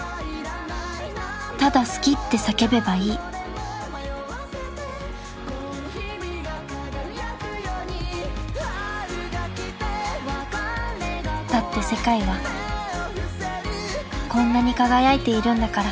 ただ好きって叫べばいいだって世界はこんなに輝いているんだから